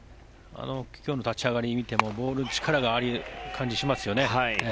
今日の立ち上がりを見てもボールに力がある感じがしますよね。